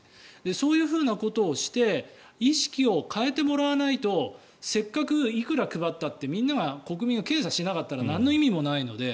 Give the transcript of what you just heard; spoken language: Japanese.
そういうことをして意識を変えてもらわないとせっかくいくら配ったって国民が検査しなければなんの意味もないので。